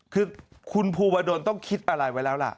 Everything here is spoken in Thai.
คือคุณภูวดลต้องคิดอะไรไว้แล้วล่ะ